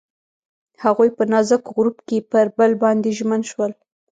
هغوی په نازک غروب کې پر بل باندې ژمن شول.